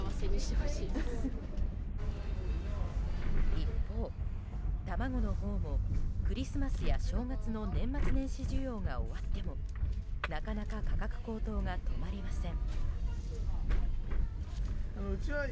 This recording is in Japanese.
一方、卵のほうもクリスマスや正月の年末年始需要が終わってもなかなか価格高騰が止まりません。